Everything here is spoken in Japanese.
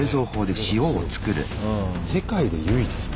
世界で唯一の。